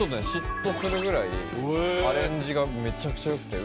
嫉妬するぐらいアレンジがめちゃくちゃよくて。